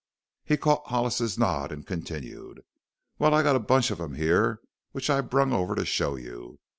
He caught Hollis's nod and continued: "Well, I got a bunch of 'em here which I brung over to show you.